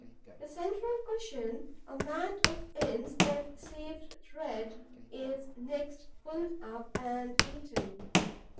The central cushion, a mat of ends of saved thread, is next pulled up and eaten.